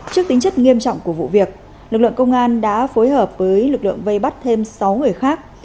trước tính chất nghiêm trọng của vụ việc lực lượng công an đã phối hợp với lực lượng vây bắt thêm sáu người khác